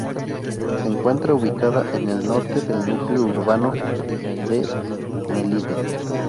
Se encuentra ubicada en el norte del núcleo urbano de Melide.